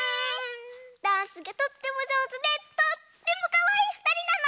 ダンスがとってもじょうずでとってもかわいいふたりなの。